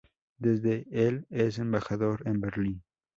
Desde el es embajador en Berlín.